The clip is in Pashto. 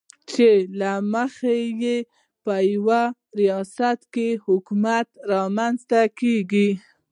چې له مخې یې په یوه ریاست کې حکومت رامنځته کېږي.